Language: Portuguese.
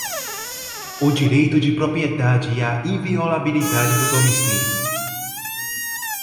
o direito de propriedade e a inviolabilidade do domicílio